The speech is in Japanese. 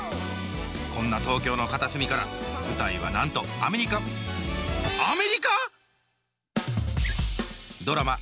こんな東京の片隅から舞台はなんとアメリカドラマ